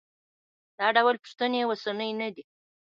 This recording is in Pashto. دا ډول پوښتنې اوسنۍ نه دي.